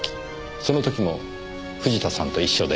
その時も藤田さんと一緒でした。